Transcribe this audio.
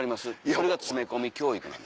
それが詰め込み教育なんです。